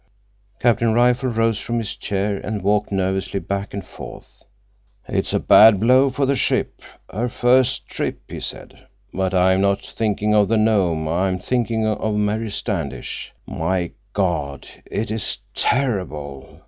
Captain Rifle rose from his chair and walked nervously back and forth. "It's a bad blow for the ship—her first trip," he said. "But I'm not thinking of the Nome. I'm thinking of Mary Standish. My God, it is terrible!